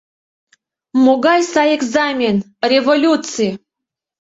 Могай сай экзамен — революций!